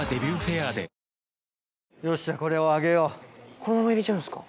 このまま入れちゃうんですか？